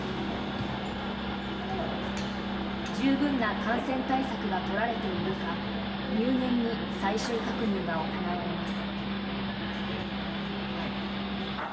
十分な感染対策が取られているか入念に最終確認が行われます。